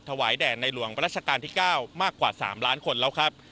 แด่ในหลวงประราชการที่๙มากกว่า๓ล้านคนแล้วครับ